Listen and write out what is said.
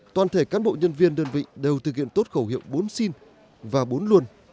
toàn thể cán bộ nhân viên đơn vị đều thực hiện tốt khẩu hiệu bốn xin và bốn luôn